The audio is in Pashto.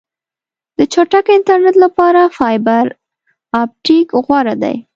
د چټک انټرنیټ لپاره فایبر آپټیک غوره دی.